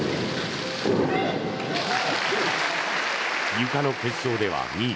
ゆかの決勝では２位。